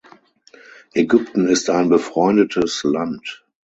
Ägypten ist ein befreundetes Land.